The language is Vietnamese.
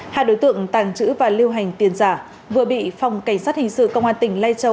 hai đối tượng tàng trữ và lưu hành tiền giả vừa bị phòng cảnh sát hình sự công an tỉnh lai châu